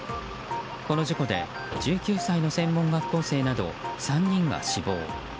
この事故で、１９歳の専門学校生など３人が死亡。